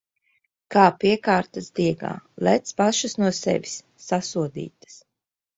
Kā piekārtas diegā... Lec pašas no sevis! Sasodītas!